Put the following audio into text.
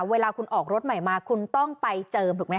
เวลาคุณออกรถใหม่มาคุณต้องไปเจิมถูกไหมค